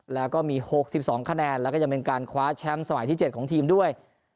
แล้วก็มี๖๒คะแนนแล้วก็ยังเป็นการคว้าแชมป์สมัยที่๗ของทีมด้วย